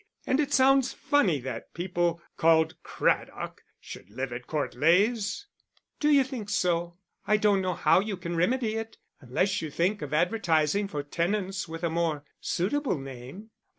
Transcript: And it sounds funny that people called Craddock should live at Court Leys." "D'you think so? I don't know how you can remedy it unless you think of advertising for tenants with a more suitable name."